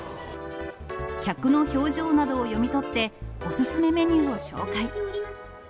客の表情などを読み取って、お勧めメニューを紹介。